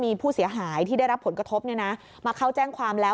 มีผู้เสียหายที่ได้รับผลกระทบมาเข้าแจ้งความแล้ว